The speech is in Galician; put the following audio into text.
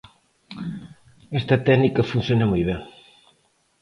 Esta técnica funciona moi ben.